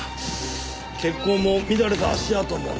血痕も乱れた足跡もない。